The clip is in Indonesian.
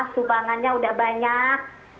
subangannya udah banyak